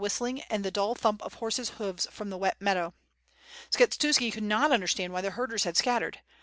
histlin^ and the dull thump of horses' hoofs from the wet meadow. Skshetuski could not understand why the herders had scattered.